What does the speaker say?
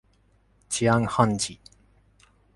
治安判事。